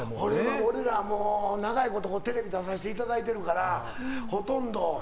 俺はもう長いことテレビ出させてもらってるからほとんど。